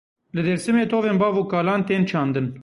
Li Dêrsimê tovên bav û kalan tên çandin.